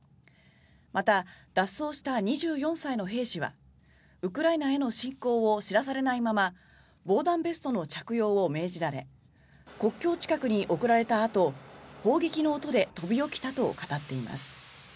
また脱走した２４歳の兵士はウクライナへの侵攻を知らされないまま防弾ベストの着用を命じられ国境近くに送られたあと砲撃の音で飛び起きたと語っています。